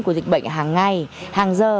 của dịch bệnh hàng ngày hàng giờ